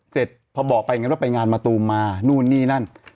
เสร็จพอบอกไปไงว่าไปงานมะตูมมานู่นนี่นั่น